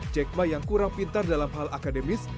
jack ma yang kurang pintar dalam hal akademis